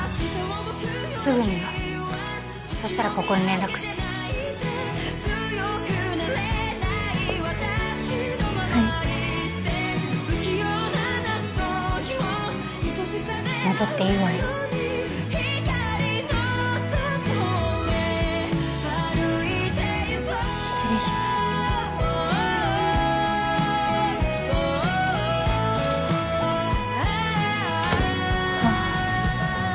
すぐによそしたらここに連絡してはい戻っていいわよ失礼しますはあ